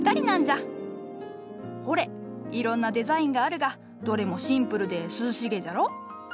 ほれいろんなデザインがあるがどれもシンプルで涼しげじゃろ。